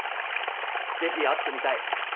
「是非会ってみたい。